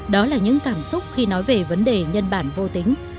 đó là những cảm xúc khi nói về nhân bản vô tính